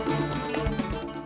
indonesia habis pertama kucang